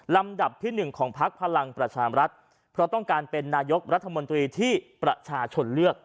ลำดับที่หนึ่งของพักพลังประชามรัฐเพราะต้องการเป็นนายกรัฐมนตรีที่ประชาชนเลือก